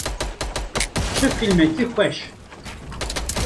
Çi fîlmekî xweş.